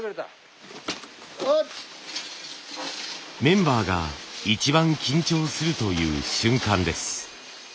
メンバーが一番緊張するという瞬間です。